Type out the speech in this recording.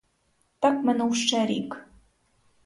Так минув ще рік.